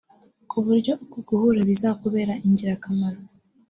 ku buryo uku guhura biza kubabera ingirakamaro